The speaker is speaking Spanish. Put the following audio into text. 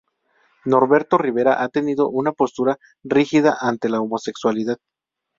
Norberto Rivera ha tenido una postura rígida ante la homosexualidad.